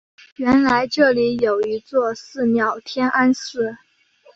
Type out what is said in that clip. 原来这里有一座寺庙天安寺。